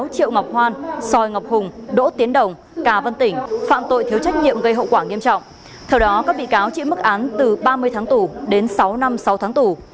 theo đó các bị cáo chỉ mức án từ ba mươi tháng tù đến sáu năm sáu tháng tù